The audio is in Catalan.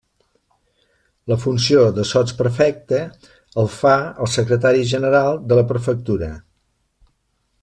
La funció de sotsprefecte el fa el secretari general de la prefectura.